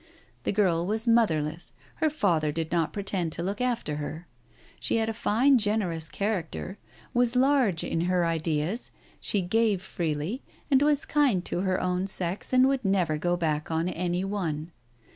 The girl was motherless, her father did not pretend to look after her. She had a fine generous character, was large in her ideas, she gave freely, she was kind to her own sex, and would never go back on any one.